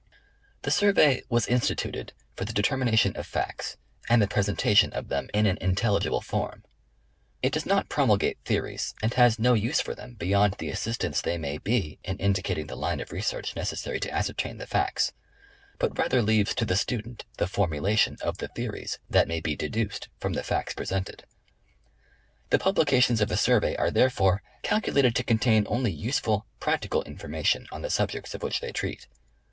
The Survey was instituted for the determination of facts, and the presentation of them in an intelligible form. It does not pro mulgate theories, and has no use for them beyond the assistance they may be in indicating the line of reseai'ch necessary to ascer tain the facts ; but rather leaves to the student the formulation of the theories that may be deduced from the facts presented. The publications of the Survey are, therefore, calculated to con tain only useful, practical information, on the subjects of which they treat.